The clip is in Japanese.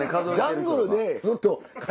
ジャングルでずっと金勘定。